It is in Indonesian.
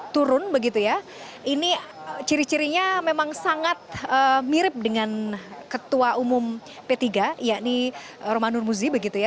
turun begitu ya ini ciri cirinya memang sangat mirip dengan ketua umum p tiga yakni roman nurmuzi begitu ya